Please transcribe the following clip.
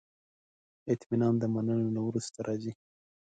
اطمینان د منلو نه وروسته راځي.